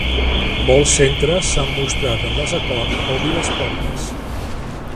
Molts centres s’han mostrat amb desacord a obrir les portes.